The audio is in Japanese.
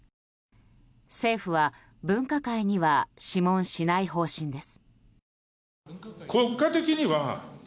政府は、分科会には諮問しない方針です。